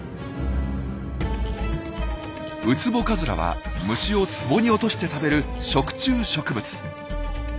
ウツボカズラは虫をツボに落として食べる食虫植物。